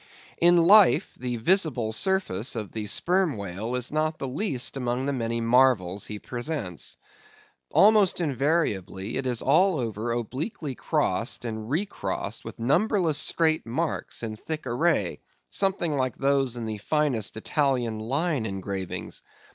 In life, the visible surface of the Sperm Whale is not the least among the many marvels he presents. Almost invariably it is all over obliquely crossed and re crossed with numberless straight marks in thick array, something like those in the finest Italian line engravings.